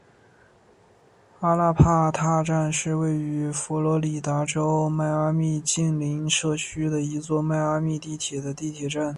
阿拉帕塔站是位于佛罗里达州迈阿密近邻社区的一座迈阿密地铁的地铁站。